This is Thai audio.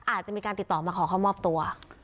อาจจะมีการติดต่อมาขอเข้ามอบตัว